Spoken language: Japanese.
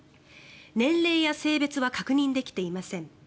年齢や性別は確認できていません。